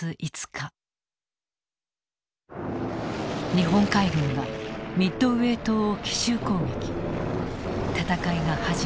日本海軍がミッドウェー島を奇襲攻撃戦いが始まる。